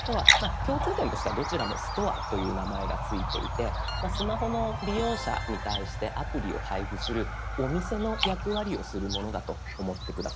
共通点としてはどちらも「ストア」という名前が付いていてスマホの利用者に対してアプリを配布するお店の役割をするものだと思って下さい。